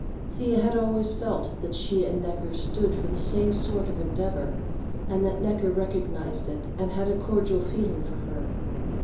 Thea had always felt that she and Necker stood for the same sort of endeavor, and that Necker recognized it and had a cordial feeling for her.